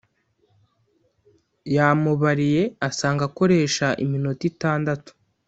yamubariye asanga akoresha iminota itandatu